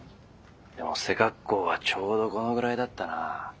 でも背格好はちょうどこのぐらいだったな。